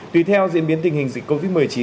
tùy theo diễn biến tình hình dịch covid một mươi chín